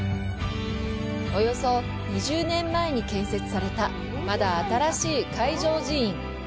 およそ２０年前に建設された、まだ新しい海上寺院。